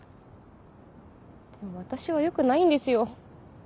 でも私はよくないんですよ。